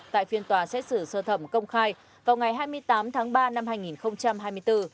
tại phiên tòa xét xử sơ thẩm công khai vào ngày hai mươi tám tháng ba năm hai nghìn hai mươi bốn